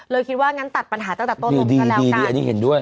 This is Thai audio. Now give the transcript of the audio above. คิดว่างั้นตัดปัญหาตั้งแต่ต้นลมก็แล้วกันอันนี้เห็นด้วย